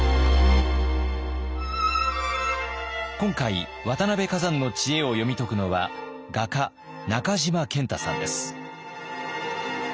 今回渡辺崋山の知恵を読み解くのは画家中島健太さんです。